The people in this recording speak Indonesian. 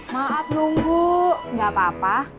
maaf nunggu gak apa apa